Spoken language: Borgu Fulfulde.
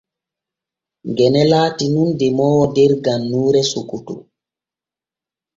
Gene laati nun demoowo der gannuure Sokoto.